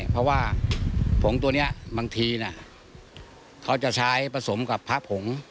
เพราะว่าผงตัวนี้บางทีเขาจะใช้ผสมกับพระผง